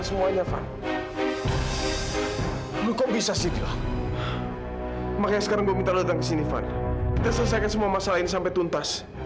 saya baru saja mau memeriksa kondisinya tova